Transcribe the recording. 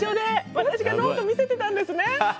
私がノート見せてたんですね。